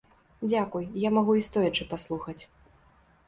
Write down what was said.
Дзякуй, я магу і стоячы паслухаць.